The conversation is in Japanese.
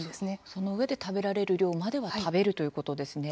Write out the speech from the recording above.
そのうえで食べられる量までは食べるということですね。